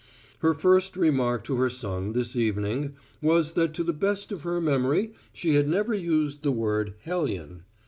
Her first remark to her son, this evening, was that to the best of her memory she had never used the word "hellion."